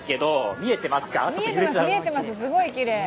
見えてます、見えてます、すごいきれい。